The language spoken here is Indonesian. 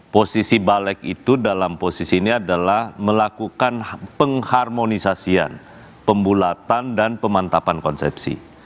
posisi balik itu dalam posisi ini adalah melakukan pengharmonisasian pembulatan dan pemantapan konsepsi